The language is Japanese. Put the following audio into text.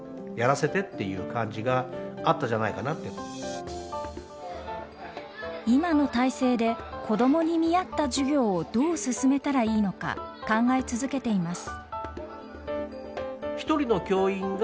更にＫ君が得意な算数については。今の体制で子どもに見合った授業をどう進めたらいいのか考え続けています。